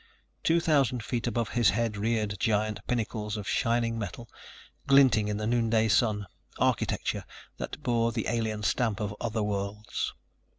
Two thousand feet above his head reared giant pinnacles of shining metal, glinting in the noonday sun, architecture that bore the alien stamp of other worlds.